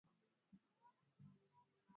Siwezi kulima shamba lote pekee yangu